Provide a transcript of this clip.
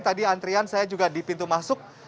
tadi antrian saya juga di pintu masuk